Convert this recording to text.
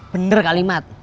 bener kak limat